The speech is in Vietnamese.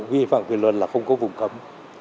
vì phạm quyền luật là không có vùng cấm